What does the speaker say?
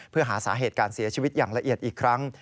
เพื่อหาสาเหตุการเสียชีวิตอย่างละเอียดอีกครั้ง